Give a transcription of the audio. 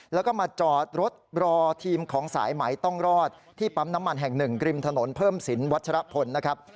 แล้วก็มาจอดรถรอทีมของสายไหมต้องรอดที่ปั๊มน้ำมันแห่งหนึ่งริมถนนเพิ่มสินวัชรพลนะครับ